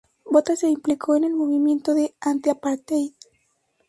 Botha se implicó en el movimiento del antiapartheid.